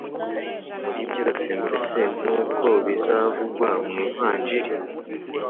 muri byose mbese nk’uko bizavugwa mu Ivanjili